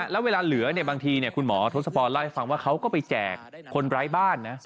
และเวลาเหลือบางทีเนี่ยคุณหมอทศพรก็ไปแจกคนร้ายบ้านนะ